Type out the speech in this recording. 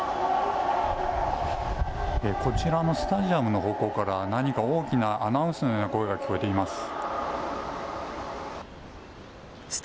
こちらのスタジアムの方向から何か、大きなアナウンスのような声が聞こえています。